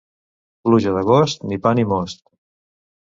Pluja d'agost, ni pa ni most.